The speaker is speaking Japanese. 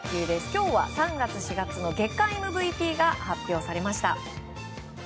今日は３月、４月の月間ＭＶＰが発表されました。